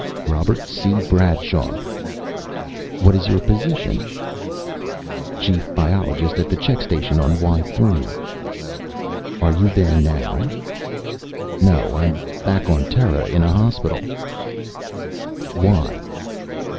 "Robert C. Bradshaw." "What is your position?" "Chief Biologist at the check station on Y 3." "Are you there now?" "No, I'm back on Terra. In a hospital." "Why?"